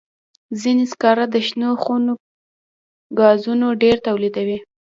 ځینې سکاره د شنو خونو ګازونه ډېر تولیدوي.